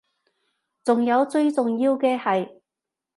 仲有最重要嘅係